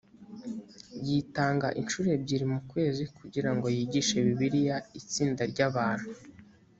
yitanga incuro ebyiri mu kwezi kugira ngo yigishe bibiliya itsinda ry’ abantu